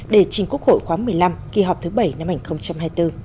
để trình quốc hội khóa một mươi năm kỳ họp thứ bảy năm hai nghìn hai mươi bốn